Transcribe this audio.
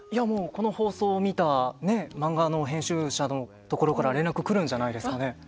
この放送を見た漫画の編集者のところから連絡がくるんじゃないですかね。